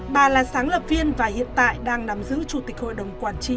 bà là sáng lập viên và hiện tại đang nắm giữ chủ tịch hội đồng quản trị